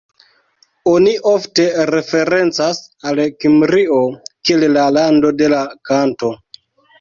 Oni ofte referencas al Kimrio kiel la "lando de la kanto".